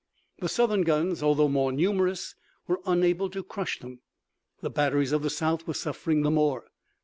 The Southern guns, although more numerous, were unable to crush them. The batteries of the South were suffering the more.